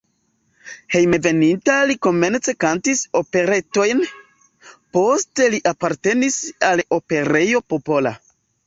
Hejmenveninta li komence kantis operetojn, poste li apartenis al Operejo Popola.